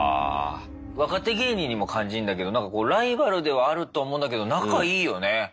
若手芸人にも感じんだけどなんかこうライバルではあると思うんだけど仲いいよね。